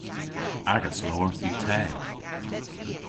Agas lowarth yw teg.